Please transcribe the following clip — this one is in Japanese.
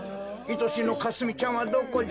いとしのかすみちゃんはどこじゃ？